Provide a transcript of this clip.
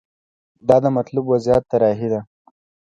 دا د مطلوب وضعیت طراحي ده.